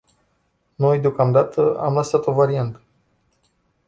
Noi, deocamdată, am lansat o variantă.